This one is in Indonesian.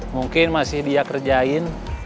mungkin masih dia kerjain